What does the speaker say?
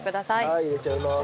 はーい入れちゃいます。